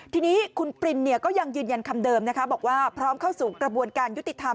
ทีนี้คุณปรินก็ยังยืนยันคำเดิมนะคะบอกว่าพร้อมเข้าสู่กระบวนการยุติธรรม